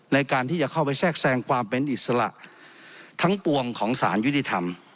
ในการที่จะเข้าไปแทรกแทรงความเป็นอิสระทั้งปวงของสารยุติธรรม